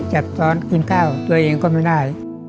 จับซ้อนคินข้าวตัวเองก็ไม่ได้